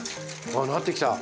あなってきた。